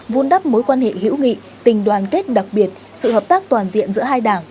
vun đắp mối quan hệ hữu nghị tình đoàn kết đặc biệt sự hợp tác toàn diện giữa hai đảng